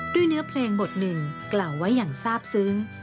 เนื้อเพลงบทหนึ่งกล่าวไว้อย่างทราบซึ้ง